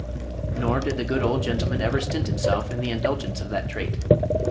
Nor did the good old gentleman ever stint himself in the indulgence of that trait.